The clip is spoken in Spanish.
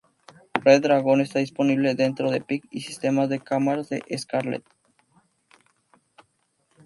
Red Dragon está disponible dentro de Epic y sistemas de cámaras de Scarlet.